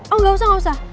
oh gak usah gak usah